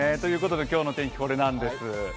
今日の天気、これなんです。